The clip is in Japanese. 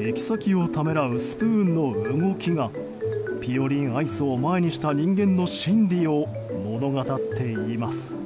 行き先をためらうスプーンの動きがぴよりんアイスを前にした人間の心理を物語っています。